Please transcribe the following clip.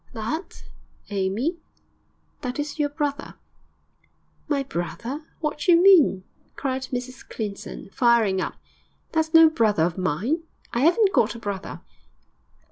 'That, Amy? That is your brother!' 'My brother? What d'you mean?' cried Mrs Clinton, firing up. 'That's no brother of mine. I 'aven't got a brother.'